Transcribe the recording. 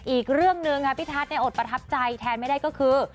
อีกเรื่องหนึ่งค่ะพี่ทัศน์อดประทับใจแทนไม่ได้ก็คือ